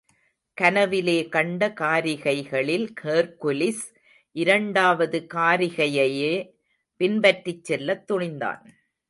கனவிலே கண்ட காரிகைகளில் ஹெர்க்குலிஸ் இரண்டாவது காரிகையையே பின்பற்றிச் செல்லத் துணிந்தான்.